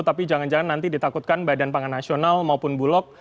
tapi jangan jangan nanti ditakutkan badan pangan nasional maupun bulog